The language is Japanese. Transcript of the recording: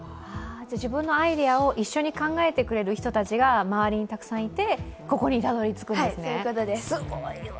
自分のアイデアを一緒に考えてくれる人たちが周りにたくさんいて、ここにたどり着くんですね、すごいわ。